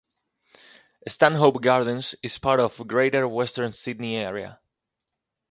Stanhope Gardens is part of Greater Western Sydney area.